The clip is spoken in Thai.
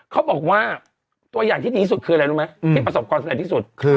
เขาบอกว่าตัวอย่างที่ดีที่สุดคืออะไรรู้ไหมที่ประสบความสำเร็จที่สุด